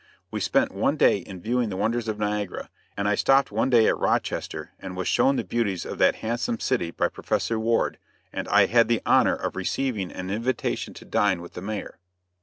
We spent one day in viewing the wonders of Niagara, and I stopped one day at Rochester and was shown the beauties of that handsome city by Professor Ward, and I had the honor of receiving an invitation to dine with the Mayor.